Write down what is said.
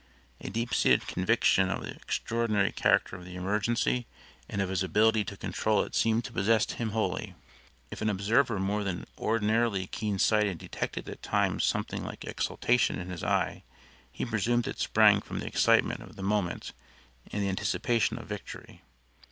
A deep seated conviction of the extraordinary character of the emergency and of his ability to control it seemed to possess him wholly. If an observer more than ordinarily keen sighted detected at times something like exultation in his eye, he presumed it sprang from the excitement of the moment and the anticipation of victory.